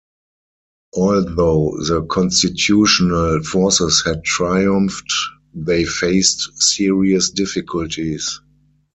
Although the constitutional forces had triumphed, they faced serious difficulties.